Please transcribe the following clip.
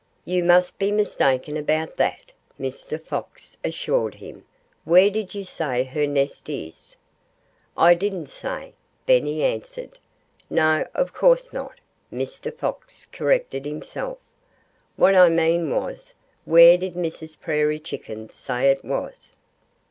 "You must be mistaken about that," Mr. Fox assured him. "Where did you say her nest is?" "I didn't say," Benny answered. "No, of course not!" Mr. Fox corrected himself. "What I meant was, where did Mrs. Prairie Chicken say it is?"